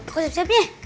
kau siap siap nih